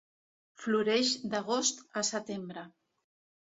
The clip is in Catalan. Floreix d'agost a setembre.